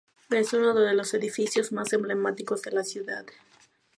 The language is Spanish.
Es uno de los edificios más emblemáticos de la ciudad.